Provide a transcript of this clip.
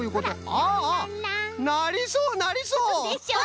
ああなりそうなりそう！